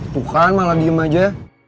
tuh kan malah diem aja